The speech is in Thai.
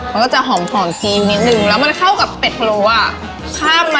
มันก็จะหอมหอมกินนิดหนึ่งแล้วมันเข้ากับเป็ดเคราะห์อ่ะ